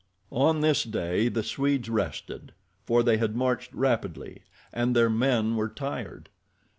On this day the Swedes rested, for they had marched rapidly and their men were tired.